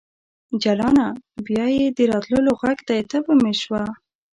جلانه ! بیا یې د راتللو غږ دی تبه مې شوه